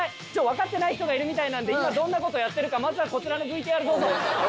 分かってない人がいるみたいなんで今どんなことやってるかまずはこちらのＶＴＲどうぞ。